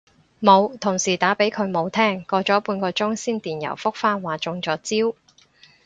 冇，同事打畀佢冇聽，過咗半個鐘先電郵覆返話中咗招